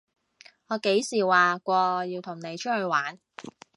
我幾時話過要同你出去玩？